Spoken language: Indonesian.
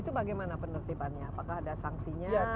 itu bagaimana penertibannya apakah ada sanksinya